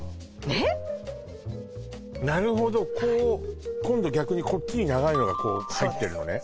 ねっなるほど今度逆にこっちに長いのが入ってるのね